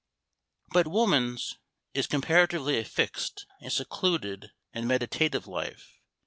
But woman's is comparatively a fixed, a secluded, and meditative life.